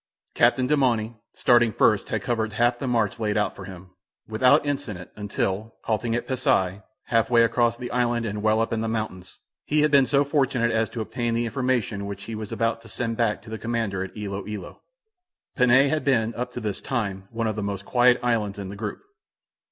Captain Demauny, starting first, had covered half the march laid out for him, without incident, until, halting at Pasi, half way across the island and well up in the mountains, he had been so fortunate as to obtain the information which he was about to send back to the commander at Ilo Ilo. Panay had been, up to this time, one of the most quiet islands in the group.